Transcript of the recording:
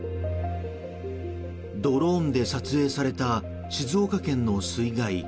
ドローンで撮影された静岡県の水害。